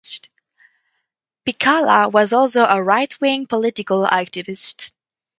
Pihkala was also a right-wing political activist.